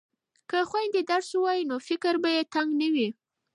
که خویندې درس ووایي نو فکر به یې تنګ نه وي.